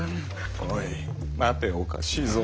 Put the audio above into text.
おい待ておかしいぞ。